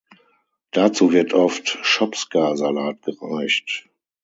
Dazu wird oft Schopska-Salat gereicht.